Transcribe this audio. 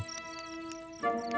siapa yang mendapat topi